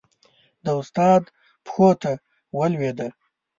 د استاد پښو ته ولوېده.